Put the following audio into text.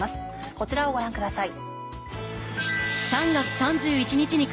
こちらをご覧ください。